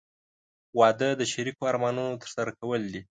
• واده د شریکو ارمانونو ترسره کول دي.